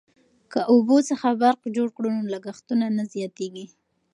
که اوبو څخه برق جوړ کړو نو لګښت نه زیاتیږي.